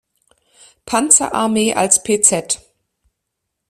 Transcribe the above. Panzerarmee als „Pz.